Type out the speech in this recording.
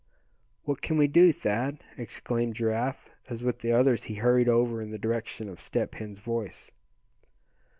"What can we do, Thad?" exclaimed Giraffe, as with the others he hurried over in the direction of Step Hen's voice.